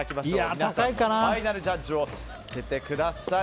皆さんのファイナルジャッジを開けてください。